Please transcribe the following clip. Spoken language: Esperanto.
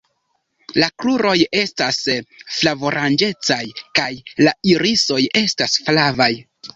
La kruroj estas flavoranĝecaj kaj la irisoj estas flavaj.